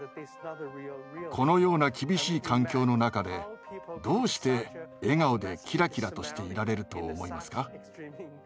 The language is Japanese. このような厳しい環境の中でどうして笑顔でキラキラとしていられると思いますか？